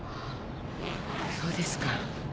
そうですか。